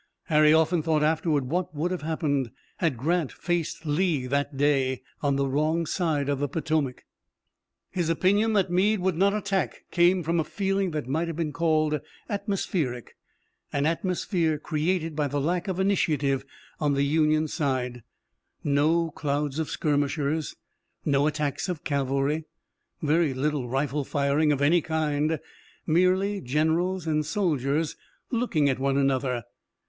Harry often thought afterward what would have happened had Grant faced Lee that day on the wrong side of the Potomac. His opinion that Meade would not attack came from a feeling that might have been called atmospheric, an atmosphere created by the lack of initiative on the Union side, no clouds of skirmishers, no attacks of cavalry, very little rifle firing of any kind, merely generals and soldiers looking at one another.